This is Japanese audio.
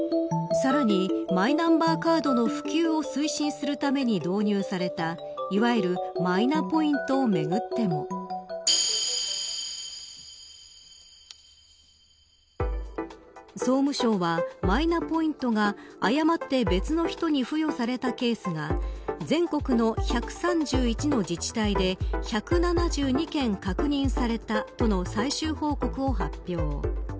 さらにマイナンバーカードの普及を推進するために導入された、いわゆるマイナポイントをめぐっても総務省は、マイナポイントが誤って別の人に付与されたケースが全国の１３１の自治体で１７２件確認されたとの最終報告を発表。